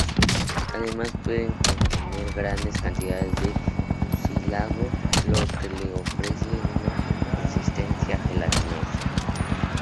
Además pueden contener grandes cantidades de mucílago lo que le ofrece una consistencia gelatinosa.